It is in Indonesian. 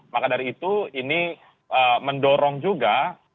maka dari itu ini mendorong juga